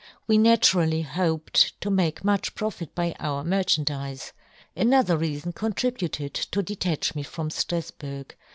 We na " turally hoped to make much profit " by our merchandize. Another rea " fon contributed to detach me from " Strafburg.